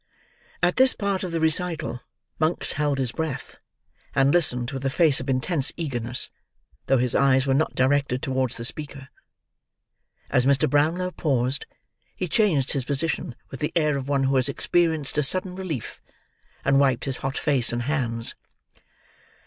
At this part of the recital Monks held his breath, and listened with a face of intense eagerness, though his eyes were not directed towards the speaker. As Mr. Brownlow paused, he changed his position with the air of one who has experienced a sudden relief, and wiped his hot face and hands.